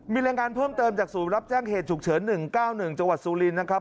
มีรายงานเพิ่มเติมจากศูนย์รับแจ้งเหตุฉุกเฉิน๑๙๑จังหวัดสุรินทร์นะครับ